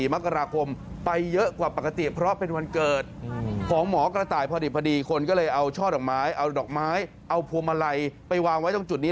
มกราคมไปเยอะกว่าปกติเพราะเป็นวันเกิดของหมอกระต่ายพอดีคนก็เลยเอาช่อดอกไม้เอาดอกไม้เอาพวงมาลัยไปวางไว้ตรงจุดนี้